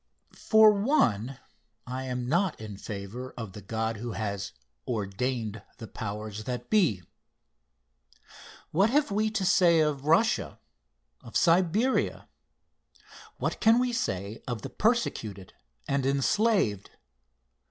For one, I am not in favor of the God who has "ordained the powers that be." What have we to say of Russia of Siberia? What can we say of the persecuted and enslaved?